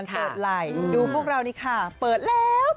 แต่ว่าคนที่พูดจะเป็นแบบ